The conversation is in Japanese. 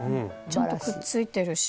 ちゃんとくっついてるし。